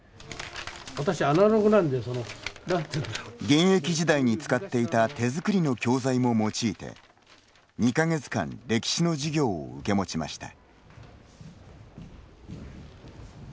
現役時代に使っていた手作りの教材も用いて２か月間歴史の授業を受け持ちました。